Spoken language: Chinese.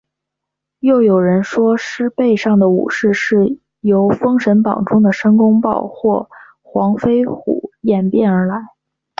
又有人说是狮背上的武士是由封神榜中的申公豹或黄飞虎演变而来。